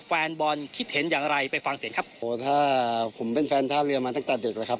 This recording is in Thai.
แฟนบอลคิดเห็นอย่างไรไปฟังเสียงครับโอ้ถ้าผมเป็นแฟนท่าเรือมาตั้งแต่เด็กเลยครับ